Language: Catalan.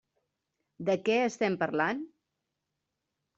De què estem parlant?